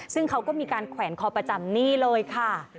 ซึ่งเขาก็มีการแขวนคอประจำนี่เลยค่ะ